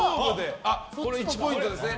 １ポイントですね。